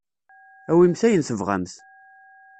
Awimt ayen tebɣamt.